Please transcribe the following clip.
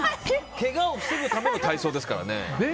けがを防ぐための体操ですからね。